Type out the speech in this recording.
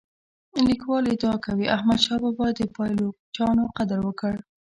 لیکوال ادعا کوي احمد شاه بابا د پایلوچانو قدر وکړ.